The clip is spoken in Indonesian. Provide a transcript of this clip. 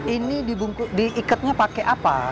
ini diiketnya pakai apa